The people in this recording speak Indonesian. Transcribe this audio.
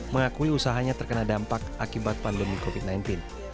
mengakui usahanya terkena dampak akibat pandemi covid sembilan belas